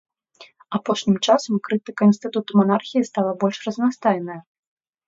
Апошнім часам крытыка інстытуту манархіі стала больш разнастайная.